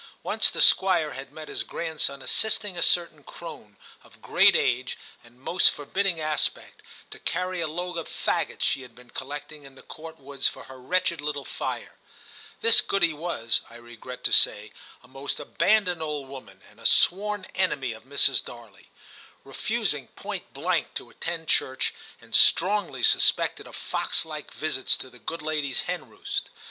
Once the Squire had met his grandson assisting a certain crone, of great age and most forbidding aspect, to carry a load of faggots she had been collecting in the Court woods for her wretched little fire. This goody was, I regret to say, a most abandoned old woman, and a sworn enemy of Mrs. Darley ; refusing point blank to attend church, and strongly suspected of foxlike visits to the good lady's hen roost.